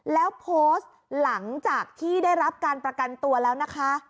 แล้วโพสต์หลังจากที่ได้รับการประกันตัวแล้วนะคะ